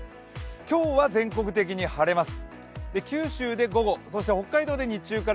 今日は全国的に晴れます。